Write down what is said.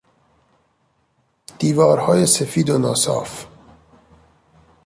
دیوارهای سفید و ناصاف